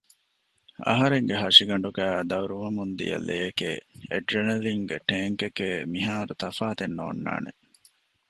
އަހަރެންގެ ހަށިގަނޑުގައި ދައުރުވަމުންދިޔަ ލެޔެކޭ އެޑްރަނެލިންގެ ޓޭންކެކޭ މިހާރު ތަފާތެއް ނޯންނާނެ